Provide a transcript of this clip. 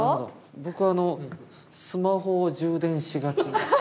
僕は「スマホを充電しがち」。